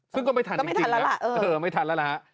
พึ่งก็ไม่ทันจริงจริงไม่ทันแล้วล่ะเออไม่ทันแล้วล่ะฮะ